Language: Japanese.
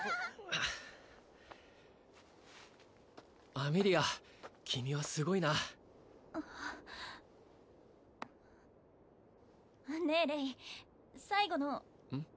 アメリア君はすごいなねえレイ最後のうん？